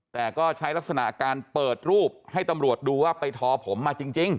แต่ก็ใช้ลักษณะการเปิดรูปให้ตำรวจดูว่าไปทอผมมาจริง